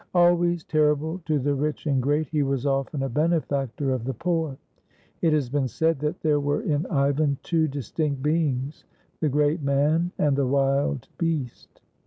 Always terri ble to the rich and great, he was often a benefactor of the poor. It has been said that there were in Ivan two distinct beings, the great man and the wild beast.